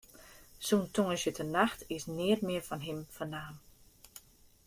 Sûnt tongersdeitenacht is neat mear fan him fernaam.